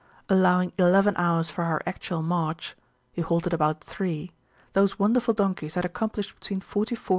Allowing eleven hours for our actual march, we halted about three, those wonderful donkeys had accomplished between forty four [p.